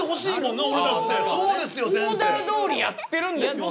オーダーどおりやってるんですもんね。